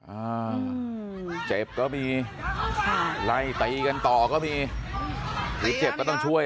อ่าเจ็บก็มีค่ะไล่ตีกันต่อก็มีหรือเจ็บก็ต้องช่วย